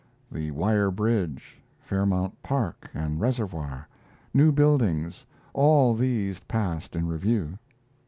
The Wire Bridge, Fairmount Park and Reservoir, new buildings all these passed in review.